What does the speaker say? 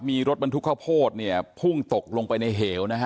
มีรถบรรทุกข้าวโพดเนี่ยพุ่งตกลงไปในเหวนะฮะ